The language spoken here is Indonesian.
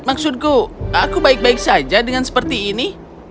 maksudku aku baik baik saja dengan seperti ini